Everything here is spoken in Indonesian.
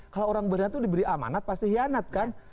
kalau orang berhenti diberi amanat pasti hianat kan